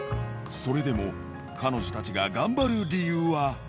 それでも、彼女たちが頑張る理由は。